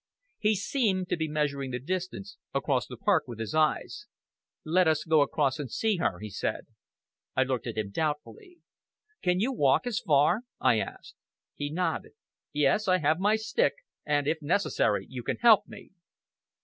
He seemed to be measuring the distance across the park with his eyes. "Let us go across and see her," he said. I looked at him doubtfully. "Can you walk as far?" I asked. He nodded. "Yes! I have my stick, and, if necessary, you can help me!"